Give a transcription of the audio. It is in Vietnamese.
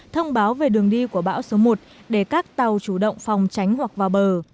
thông báo về đường đi của bão số một để các tàu chủ động phòng tránh hoặc vào bờ